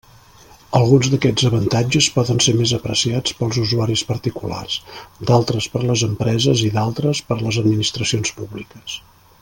Alguns d'aquests avantatges poden ser més apreciats pels usuaris particulars, d'altres per les empreses i d'altres per les administracions públiques.